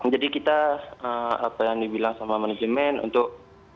jadi kita apa yang dibilang sama manajemen untuk